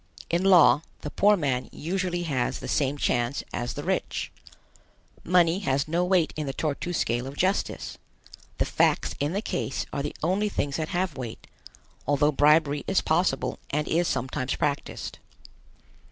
In law, the poor man usually has the same chance as the rich. Money has no weight in the Tor tu scale of justice. The facts in the case are the only things that have weight, although bribery is possible and is sometimes practiced.